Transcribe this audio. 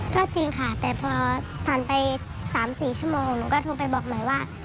ก็จริงค่ะแต่พอผ่านไป๓๔ชั่วโมงหนูก็โทรไปบอกหน่อยว่า